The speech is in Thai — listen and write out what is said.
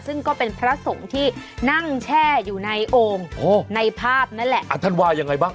ซึ่งก็เป็นพระสงฆ์ที่นั่งแช่อยู่ในโอ่งโอ้ในภาพนั่นแหละท่านว่ายังไงบ้าง